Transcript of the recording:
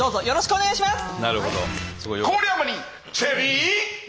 お願いします。